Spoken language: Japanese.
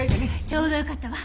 ちょうどよかったわ。